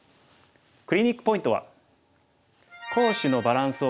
クリニックポイントは。